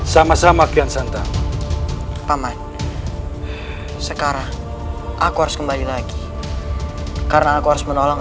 sama sama kian santan paman sekarang aku harus kembali lagi karena aku harus menolong